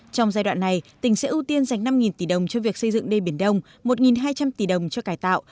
trong giai đoạn này tỉnh sẽ ưu tiên dành năm tỷ đồng cho việc xây dựng đê biển đông một hai trăm linh tỷ đồng cho cải tạo